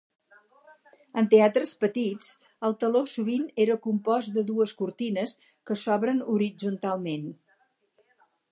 En teatres petits, el teló sovint era compost de dues cortines que s'obren horitzontalment.